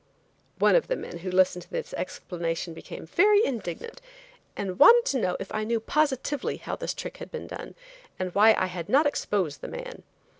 One of the men who listened to this explanation became very indignant, and wanted to know if I knew positively how this trick had been done, and why I had not exposed the man.